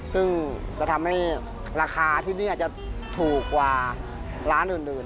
ซึ่งจะทำให้ราคาที่นี่อาจจะถูกกว่าร้านอื่น